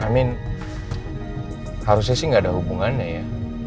i mean harusnya sih gak ada hubungannya ya